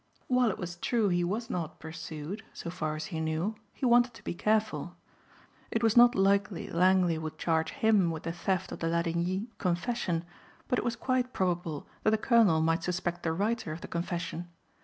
While it was true he was not pursued, so far as he knew, he wanted to be careful. It was not likely Langley would charge him with the theft of the Ladigny confession but it was quite probable that the Colonel might suspect the writer of the confession.